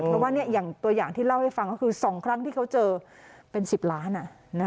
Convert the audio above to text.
เพราะว่าอย่างตัวอย่างที่เล่าให้ฟังก็คือ๒ครั้งที่เขาเจอเป็น๑๐ล้าน